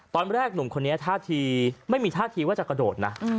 ตอนแรกหนุ่มคนนี้ท่าทีไม่มีท่าทีว่าจะกระโดดนะ